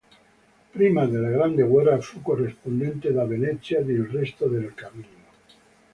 Prima della Grande guerra fu corrispondente da Venezia de Il Resto del Carlino.